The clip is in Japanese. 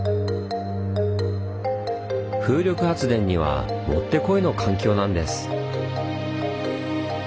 風力発電にはもってこいの環境なんです。